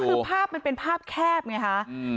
ใช่ก็คือภาพมันเป็นภาพแคบไงฮะอืม